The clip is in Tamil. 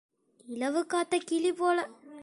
இலவு காத்த கிளி போல.